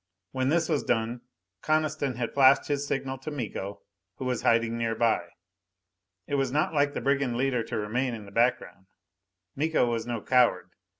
When this was done, Coniston had flashed his signal to Miko, who was hiding nearby. It was not like the brigand leader to remain in the background. Miko was no coward.